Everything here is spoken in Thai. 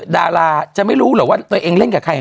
ดาราจะไม่รู้หรอกว่าตัวเองเล่นกับใคร